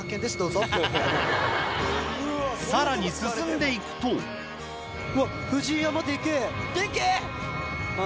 さらに進んで行くとでけぇ！